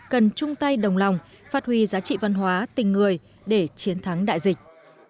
cần chung tay đồng lòng phát huy giá trị văn hóa tình người để chiến thắng đại dịch